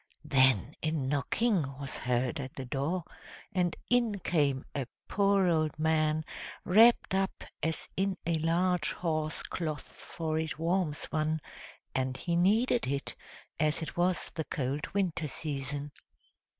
Then a knocking was heard at the door, and in came a poor old man wrapped up as in a large horse cloth, for it warms one, and he needed it, as it was the cold winter season!